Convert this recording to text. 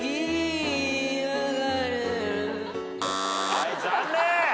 はい残念！